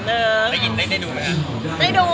ได้ยินได้ดูไหมคะ